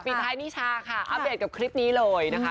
ท้ายนิชาค่ะอัปเดตกับคลิปนี้เลยนะคะ